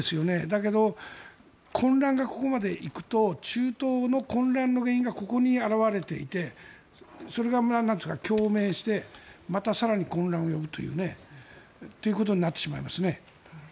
だけど、混乱がここまで行くと中東の混乱の原因がここに表れていてそれが共鳴してまた更に混乱を呼ぶということになってしまいますね。